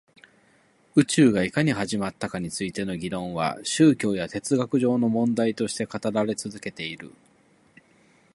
宇宙がいかに始まったかについての議論は宗教や哲学上の問題として語られて続けている